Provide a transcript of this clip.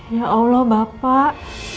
ya allah bapak